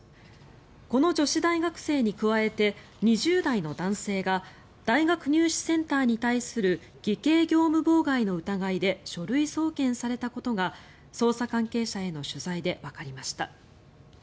この女子大学生に加えて２０代の男性が大学入試センターに対する偽計業務妨害の疑いで書類送検されたことが捜査関係者への取材でわかりました。